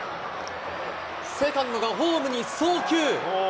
セカンドがホームに送球。